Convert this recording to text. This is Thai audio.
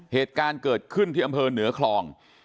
เหตุการณ์เกิดขึ้นที่อำเภอเหนือคลอง